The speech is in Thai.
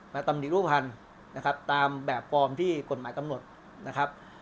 ตำหนิรูปภัณฑ์นะครับตามแบบฟอร์มที่กฎหมายกำหนดนะครับ